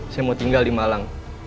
saya mau tinggal di malang